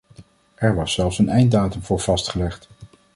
Er was zelfs een einddatum voor vastgelegd.